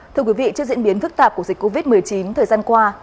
thưa quý vị trước diễn biến phức tạp của dịch covid một mươi chín thời gian qua